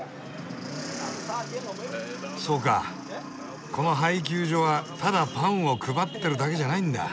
そうかこの配給所はただパンを配ってるだけじゃないんだ。